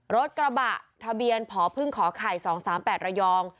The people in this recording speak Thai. รถกระบะทะเบียนพพไข่๒๓๘ระยอง